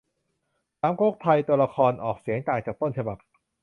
สามก๊กไทย ตัวละครออกเสียงต่างจากต้นฉบับ